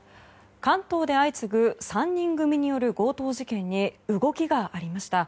関東で相次ぐ３人組による強盗事件に動きがありました。